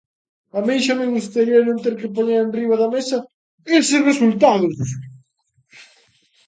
¡A min xa me gustaría non ter que poñer enriba da mesa eses resultados!